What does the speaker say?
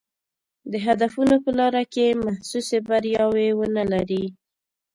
د هدفونو په لاره کې محسوسې بریاوې ونه لري.